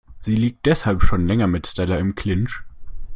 Sie liegt deshalb schon länger mit Stella im Clinch.